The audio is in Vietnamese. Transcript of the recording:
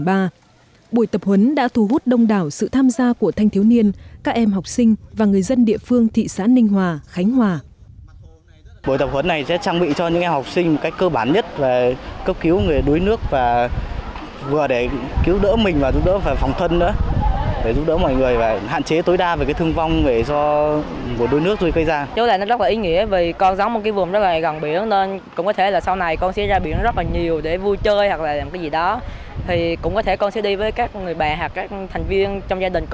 buổi tập huấn đã thu hút đông đảo sự tham gia của thanh thiếu niên các em học sinh và người dân địa phương thị xã ninh hòa khánh hòa